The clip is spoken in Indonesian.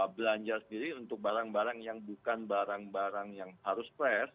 belanja sendiri untuk barang barang yang bukan barang barang yang harus fresh